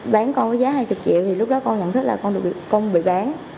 bán con với giá hai mươi triệu thì lúc đó con nhận thức là con bị bán